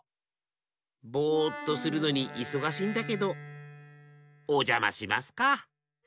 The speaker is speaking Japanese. ぼっとするのにいそがしいんだけどおじゃましますか！